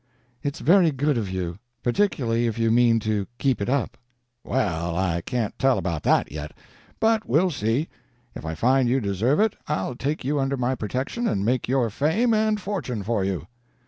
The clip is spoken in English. "It's very good of you particularly if you mean to keep it up." "Well, I can't tell about that yet. But we'll see. If I find you deserve it I'll take you under my protection and make your fame and fortune for you."